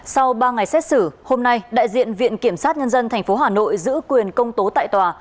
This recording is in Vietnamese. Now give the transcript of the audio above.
sau ba ngày xét xử hôm nay đại diện viện kiểm sát nhân dân tp hà nội giữ quyền công tố tại tòa